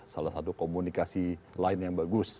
salah satu komunikasi lain yang bagus